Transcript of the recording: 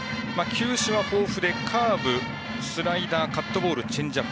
球種は豊富でカーブ、スライダーカットボール、チェンジアップ。